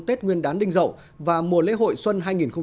tết nguyên đán đinh dậu và mùa lễ hội xuân hai nghìn một mươi bảy